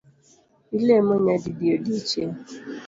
Ilemo nyadidi odiechieng’?